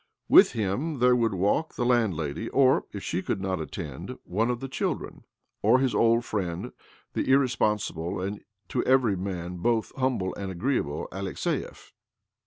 With him there would walk t landlady— or, if she could not attend, one the children, or his old friend, the irrespo sible and to every man both humble a agreeable Alexiev.